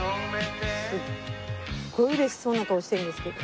すっごい嬉しそうな顔してるんですけど。